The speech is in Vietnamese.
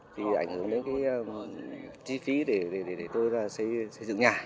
vì ảnh hưởng đến chi phí để tôi xây dựng nhà